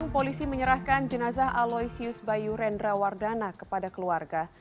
polisi menyerahkan jenazah aloysius bayu rendrawardana kepada keluarga